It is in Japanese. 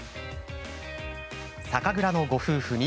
酒蔵のご夫婦に。